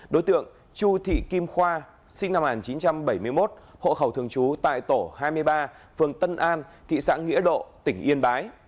đối tượng chu thị kim khoa sinh năm một nghìn chín trăm bảy mươi một hộ khẩu thường trú tại tổ hai mươi ba phường tân an thị xã nghĩa độ tỉnh yên bái